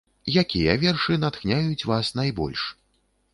Якія вершы натхняюць вас найбольш?